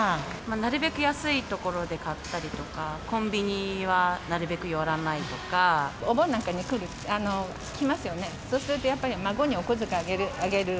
なるべく安いところで買ったりとか、コンビニはなるべく寄らお盆なんかに来ますよね、そうするとやっぱり孫にお小遣いあげる。